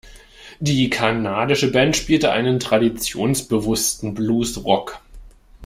Die kanadische Band spielte einen traditionsbewussten Bluesrock.